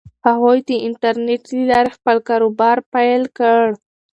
هغوی د انټرنیټ له لارې خپل کاروبار پیل کړ.